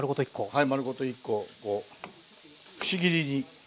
はい。